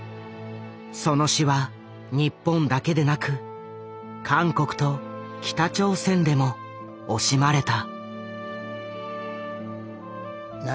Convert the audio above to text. その死は日本だけでなく韓国と北朝鮮でも惜しまれた。